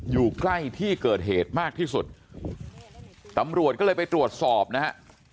อยู่ใกล้ที่เกิดเหตุมากที่สุดตำรวจก็เลยไปตรวจสอบนะฮะ